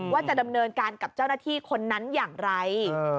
ว่าจะดำเนินการกับเจ้าหน้าที่คนนั้นอย่างไร